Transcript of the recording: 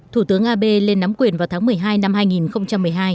thủ tướng abe lên nắm quyền vào tháng một mươi hai năm hai nghìn một mươi hai